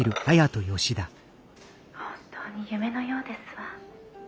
本当に夢のようですわ」。